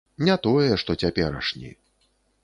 Не тое, што цяперашні.